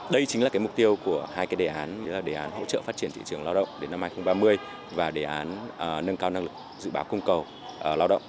đây chính là mục tiêu của hai đề án đề án hỗ trợ phát triển thị trường lao động đến năm hai nghìn ba mươi và đề án nâng cao năng lực dự báo cung cầu lao động